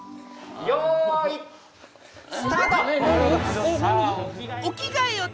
よいスタート！